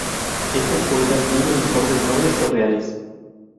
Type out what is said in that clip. Estos poetas viven en cortes nobles o reales.